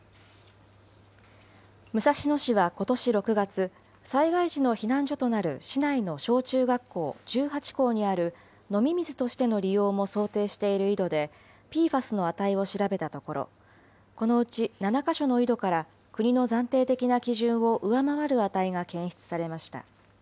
武蔵野市はことし６月、災害時の避難所となる市内の小中学校１８校にある、飲み水としての利用も想定している井戸で、ＰＦＡＳの値を調べたところ、このうち７か所の井戸から国の暫定的な基準を上回る値が検出されました。